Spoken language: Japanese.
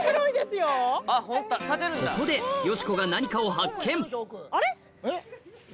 ここでよしこが何かを発見！